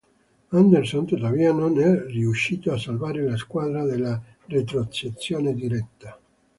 Andersson tuttavia non è riuscito a salvare la squadra dalla retrocessione diretta.